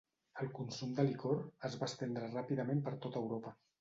El consum del licor es va estendre ràpidament per tot Europa.